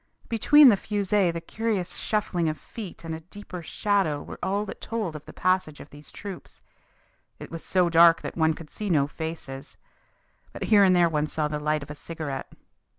Between the fusées the curious shuffling of feet and a deeper shadow were all that told of the passage of these troops. It was so dark that one could see no faces. But here and there one saw the light of a cigarette.